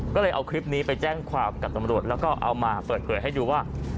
ก็เลยเอาคลิปนี้ไปแจ้งความกับตำรวจแล้วก็เอามาเปิดเผยให้ดูว่า